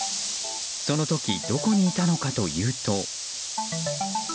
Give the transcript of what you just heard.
その時どこにいたのかというと。